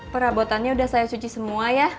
perabotannya udah saya cuci semua ya